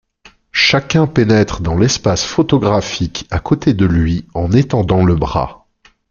Chacun pénètre dans l'espace photographique à côté de lui en étendant le bras.